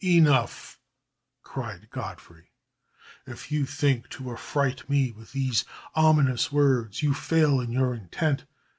"Enough," cried Godfrey. "If you think to affright me with these ominous words, you fail in your intent.